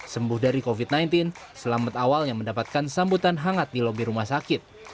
sembuh dari covid sembilan belas selamat awalnya mendapatkan sambutan hangat di lobi rumah sakit